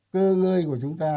cơ ngơi của chúng ta